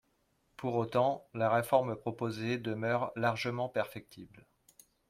Pour autant, la réforme proposée demeure largement perfectible.